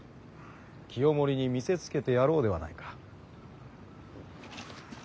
清盛に見せつけてやろうではないか。